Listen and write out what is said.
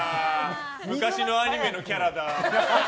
昔のアニメのキャラだ。